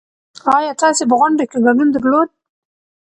ايا تاسې په غونډه کې ګډون درلود؟